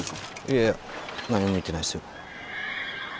いやいや何も見てないっすよ。